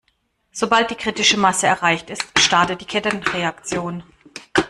Sobald die kritische Masse erreicht ist, startet die Kettenreaktion.